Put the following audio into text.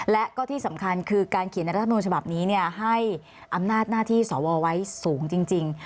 และก็ที่สำคัญคือการเขียนในรัฐมนูลฉบับนี้ให้อำนาจหน้าที่สวไว้สูงจริง